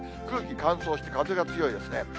空気乾燥して、風が強いですね。